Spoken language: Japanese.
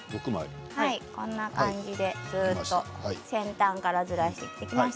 こんな感じでずっと先端からずらしていきます。